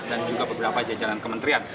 dan juga beberapa jajaran kementerian